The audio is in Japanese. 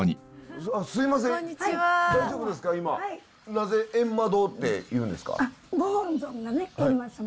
なぜゑんま堂っていうんですか？